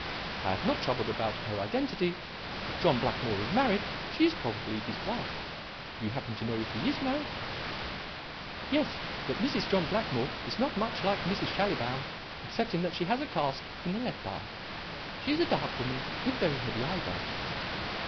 I have not troubled about her identity. If John Blackmore is married, she is probably his wife. Do you happen to know if he is married?" "Yes; but Mrs. John Blackmore is not much like Mrs. Schallibaum, excepting that she has a cast in the left eye. She is a dark woman with very heavy eyebrows."